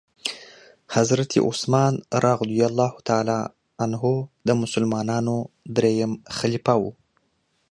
حضرت عثمان رضي الله تعالی عنه د مسلمانانو دريم خليفه وو.